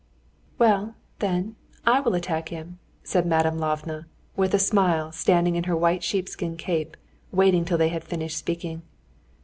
"Well, then, I will attack him," said Madame Lvova, with a smile, standing in her white sheepskin cape, waiting till they had finished speaking.